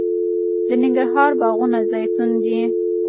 د ننګرهار باغونه زیتون دي